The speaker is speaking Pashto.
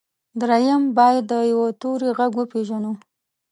درېيم بايد د يوه توري غږ وپېژنو.